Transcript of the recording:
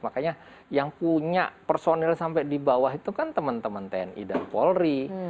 makanya yang punya personil sampai di bawah itu kan teman teman tni dan polri